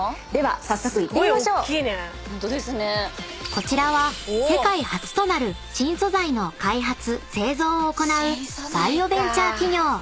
［こちらは世界初となる新素材の開発・製造を行うバイオベンチャー企業］